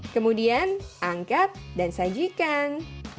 kemudian angkat dan sajikan